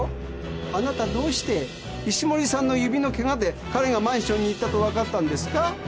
あなたどうして石森さんの指のケガで彼がマンションに行ったと分かったんですか？